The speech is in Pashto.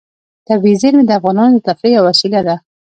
طبیعي زیرمې د افغانانو د تفریح یوه وسیله ده.